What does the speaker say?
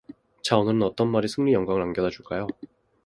자, 오늘은 어떤 말이 승리의 영광을 안겨다줄까요?